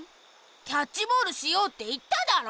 キャッチボールしようっていっただろ。